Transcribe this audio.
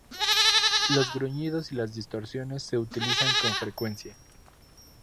Los gruñidos y las distorsiones se utilizan con frecuencia.